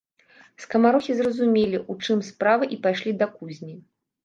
Скамарохі зразумелі, у чым справа, і пайшлі да кузні.